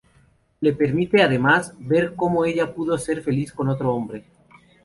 Le permite, además, ver cómo ella pudo ser feliz con otro hombre.